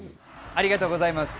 ありがとうございます。